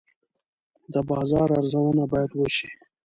د بازار ارزونه باید وشي.